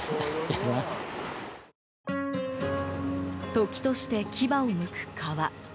時として牙をむく川。